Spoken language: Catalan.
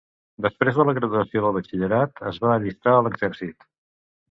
Després de la graduació del batxillerat, es va allistar a l'exèrcit.